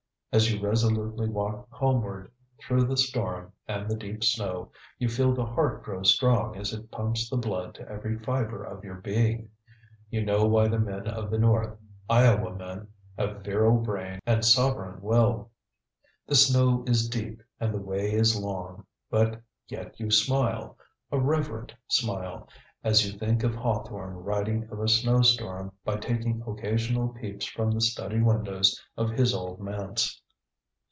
As you resolutely walk homeward through the storm and the deep snow, you feel the heart grow strong as it pumps the blood to every fiber of your being. You know why the men of the north, Iowa men, have virile brain and sovereign will. The snow is deep and the way is long, but yet you smile a reverent smile as you think of Hawthorne writing of a snow storm by taking occasional peeps from the study windows of his old manse.